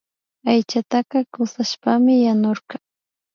Aychataka kushashpami yanurka